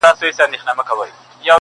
د دروازې پر سر یې ګل کرلي دینه-